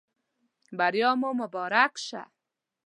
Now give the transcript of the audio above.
بریا مو مبارک شه.